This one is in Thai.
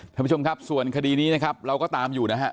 ท่านผู้ชมครับส่วนคดีนี้นะครับเราก็ตามอยู่นะฮะ